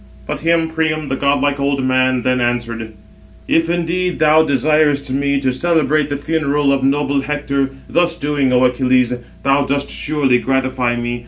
But him Priam, the godlike old man, then answered: "If indeed thou desirest me to celebrate the funeral of noble Hector, thus doing, O Achilles, thou dost surely gratify me.